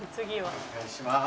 お願いします。